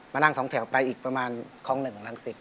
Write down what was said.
มานั่ง๒แถวไปอีกประมาณคล้อง๑ของหลังศิษย์